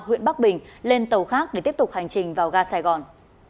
huyện bắc bình lên tàu khác để tiếp tục hành trình vào ga sài gòn